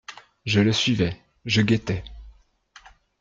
Je le suivais, je guettais.